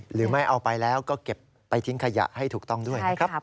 หรือไม่เอาไปแล้วก็เก็บไปทิ้งขยะให้ถูกต้องด้วยนะครับ